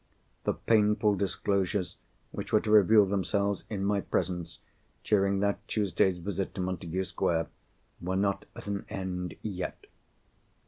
The painful disclosures which were to reveal themselves in my presence, during that Tuesday's visit to Montagu Square, were not at an end yet.